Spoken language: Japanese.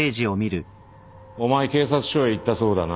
お前警察署へ行ったそうだな。